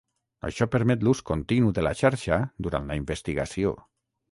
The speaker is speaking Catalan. Això permet l'ús continu de la xarxa durant la investigació.